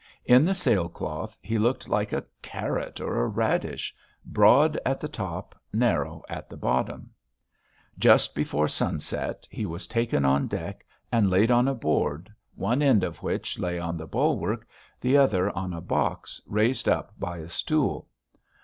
In the sail cloth he looked like a carrot or a radish, broad at the top, narrow at the bottom.... Just before sunset he was taken on deck and laid on a board one end of which lay on the bulwark, the other on a box, raised up by a stool.